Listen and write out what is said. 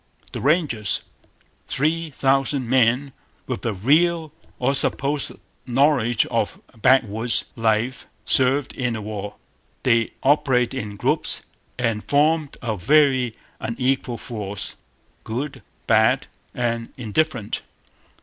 The Rangers. Three thousand men with a real or supposed knowledge of backwoods life served in the war. They operated in groups and formed a very unequal force good, bad, and indifferent.